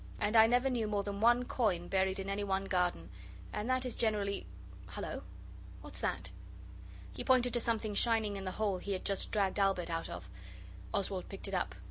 And I never knew more than one coin buried in any one garden and that is generally Hullo what's that?' He pointed to something shining in the hole he had just dragged Albert out of. Oswald picked it up.